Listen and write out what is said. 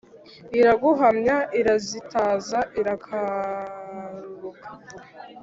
Iragumya irazitaza, irakaruruka